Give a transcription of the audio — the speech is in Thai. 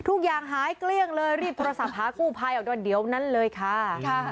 ทุกอย่างหายเกลี้ยงเลยรีบโทรศัพท์หากู้ภัยออกด้วยเดี๋ยวนั้นเลยค่ะ